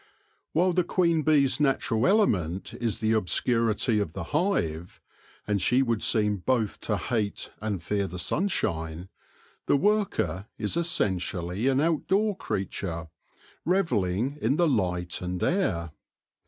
While the queen bee's natural element is the ob scurity of the hive, and she would seem both to hate and fear the sunshine, the worker is essentially an outdoor creature, revelling in the light and air.